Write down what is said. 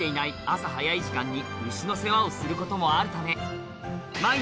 朝早い時間に牛の世話をすることもある